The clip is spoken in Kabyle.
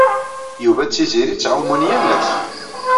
Yuba d Tiziri ttɛumun yal ass.